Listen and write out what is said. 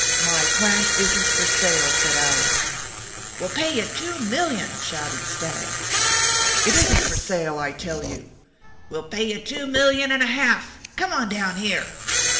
"'My plant isn't for sale,' said Allis. "'We'll pay you two million!' shouted Stagg. "'It isn't for sale, I tell you.' "'We'll pay you two million and a half! Come on down here!'